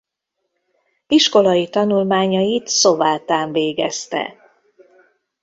Iskolai tanulmányait Szovátán végezte.